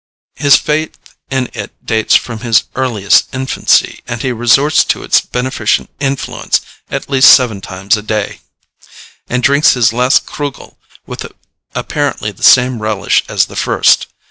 His faith in it dates from his earliest infancy, and he resorts to its beneficent influence at least seven times a day, and drinks his last Krügl with apparently the same relish as the first.